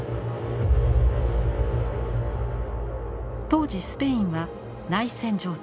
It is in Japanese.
当時スペインは内戦状態。